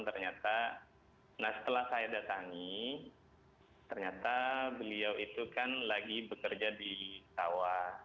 ternyata nah setelah saya datangi ternyata beliau itu kan lagi bekerja di sawah